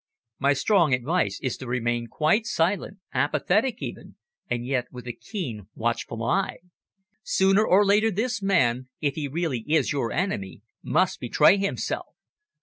My strong advice is to remain quite silent, apathetic even, and yet with a keen, watchful eye. Sooner or later this man, if he really is your enemy, must betray himself.